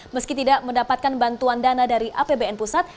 meski tidak mendapatkan bantuan dana dari apbn pusat